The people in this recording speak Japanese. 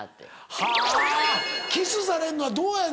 はぁキスされんのはどうやねん？